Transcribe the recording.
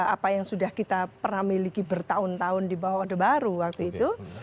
apa yang sudah kita pernah miliki bertahun tahun di bawah odeh baru waktu itu